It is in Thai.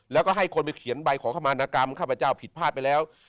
แล้วก็ให้คนไปเขียนใบขอขมารณกรรมข้าพเจ้าผิดพลาดไปแล้ว